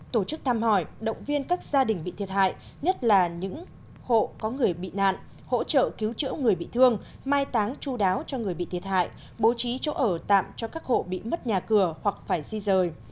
tổ chức thăm hỏi động viên các gia đình bị thiệt hại nhất là những hộ có người bị nạn hỗ trợ cứu chữa người bị thương mai táng chú đáo cho người bị thiệt hại bố trí chỗ ở tạm cho các hộ bị mất nhà cửa hoặc phải di rời